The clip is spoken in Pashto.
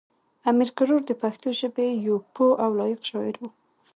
امیر کروړ د پښتو ژبې یو پوه او لایق شاعر و.